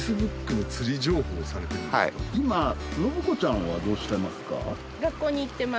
今洵子ちゃんはどうしてますか？